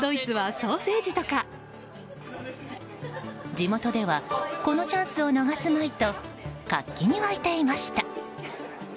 地元ではこのチャンスを逃すまいと活気に沸いていました。